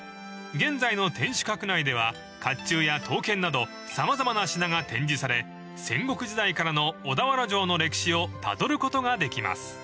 ［現在の天守閣内ではかっちゅうや刀剣など様々な品が展示され戦国時代からの小田原城の歴史をたどることができます］